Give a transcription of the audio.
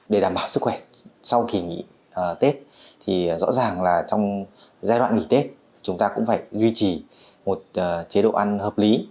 để đảm bảo sức khỏe sau kỳ nghỉ tết thì rõ ràng là trong giai đoạn nghỉ tết chúng ta cũng phải duy trì một chế độ ăn hợp lý